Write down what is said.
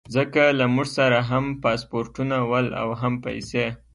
ځکه له موږ سره هم پاسپورټونه ول او هم پیسې.